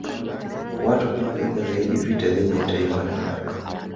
Watu waliopinga zaidi vita dhidi ya taifa la Iraq